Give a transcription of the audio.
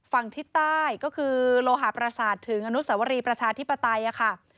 ฝั่งทิศใต้ก็คือโลหะประสาทถึงอนุสวรีประชาธิปไตยค่ะ